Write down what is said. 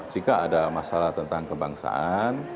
jika ada masalah tentang kebangsaan